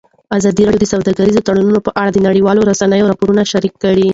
ازادي راډیو د سوداګریز تړونونه په اړه د نړیوالو رسنیو راپورونه شریک کړي.